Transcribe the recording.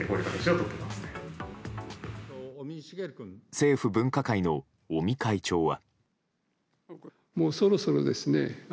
政府分科会の尾身会長は。